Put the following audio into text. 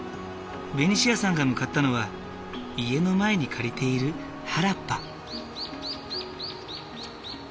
ベニシアさんが向かったのは家の前に借りている原っぱ。